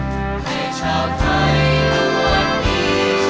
ขอบความจากฝ่าให้บรรดาดวงคันสุขสิทธิ์